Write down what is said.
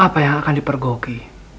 apa yang akan dipergoki